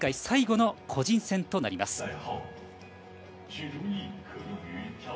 最後の個人戦となります。